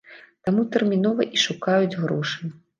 Таму тэрмінова і шукаюць грошы.